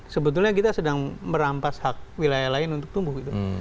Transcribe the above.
sebetulnya kita sedang merampas hak wilayah lain untuk tumbuh gitu